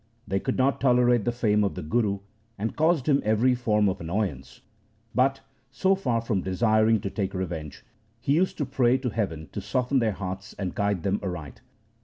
They could not tolerate the fame of the Guru, and caused him every form of annoyance, but, so far from desiring to take revenge, he used to pray to heaven to soften their hearts and guide them aright.